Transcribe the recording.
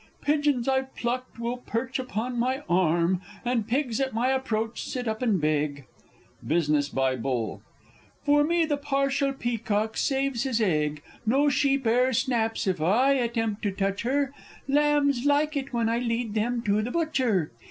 _ Pigeons I've plucked will perch upon my arm, And pigs at my approach sit up and beg. [Business by Bull. For me the partial peacock saves his egg, No sheep e'er snaps if I attempt to touch her, Lambs like it when I lead them to the butcher!